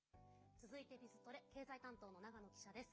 続いて、Ｂｉｚトレ。経済担当の長野記者です。